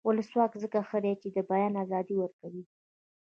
ولسواکي ځکه ښه ده چې د بیان ازادي ورکوي.